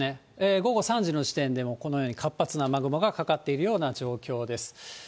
午後３時の時点でも、このように活発な雨雲がかかっているような状況です。